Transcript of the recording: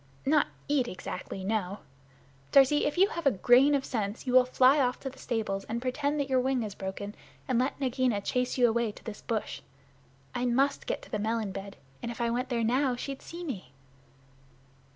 "Not eat exactly; no. Darzee, if you have a grain of sense you will fly off to the stables and pretend that your wing is broken, and let Nagaina chase you away to this bush. I must get to the melon bed, and if I went there now she'd see me."